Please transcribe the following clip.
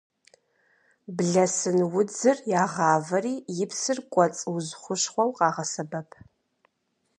Блэсын удзыр ягъавэри и псыр кӏуэцӏ уз хущхъуэу къагъэсэбэп.